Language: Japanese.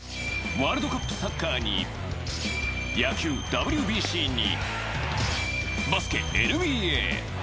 ワールドカップサッカーに野球ＷＢＣに、バスケＮＢＡ。